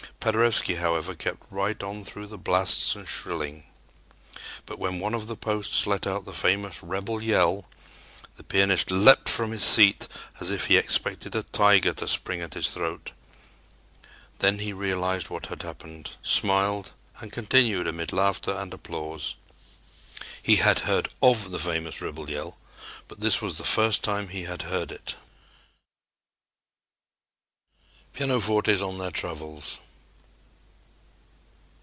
Paderewski, however, kept right on through the blasts and shrilling. But when one of the posts let out the famous "rebel yell," the pianist leaped from his seat as if he expected a tiger to spring at his throat. Then he realized what had happened, smiled and continued amid laughter and applause. He had heard of the famous "rebel yell," but this was the first time he had heard it. Pianofortes on Their Travels.